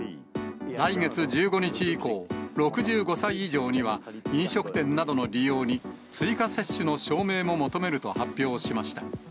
来月１５日以降、６５歳以上には、飲食店などの利用に、追加接種の証明も求めると発表しました。